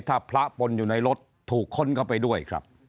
ถ้าพระปนอยู่ในรถถูกค้นเข้าไปด้วยครับ